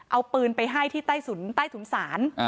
เอาปืนไปให้ที่ใต้ถุนศาล